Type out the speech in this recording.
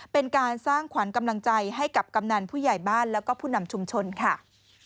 เป็นการสร้างขวัญกำลังใจให้กับกำนันผู้ใหญ่บ้านแล้วก็ผู้นำชุมชนค่ะ